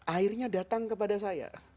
airnya datang kepada saya